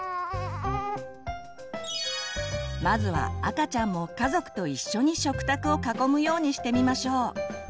まずは赤ちゃんも家族と一緒に食卓を囲むようにしてみましょう。